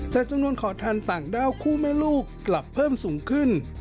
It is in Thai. แต่จำนวนขอทานต่างด้าวคู่แม่ลูกกลับเพิ่มสูงขึ้น